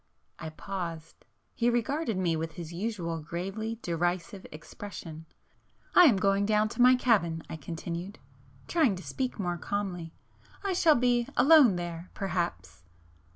..." I paused,—he regarded me with his usual gravely derisive expression. "I am going down to my cabin"—I continued, trying to speak more calmly——"I shall be alone there ... perhaps!"